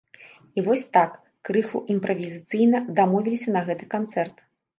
І вось так, крыху імправізацыйна дамовіліся на гэты канцэрт.